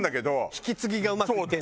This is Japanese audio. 引き継ぎがうまくいってる。